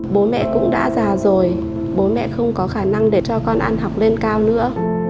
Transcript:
bố mẹ cũng đã già rồi bố mẹ không có khả năng để cho con ăn học lên cao nữa